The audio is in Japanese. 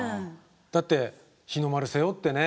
だって日の丸背負ってね。